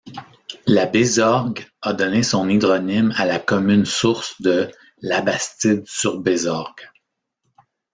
La Bézorgues a donné son hydronyme à la commune source de Labastide-sur-Bésorgues.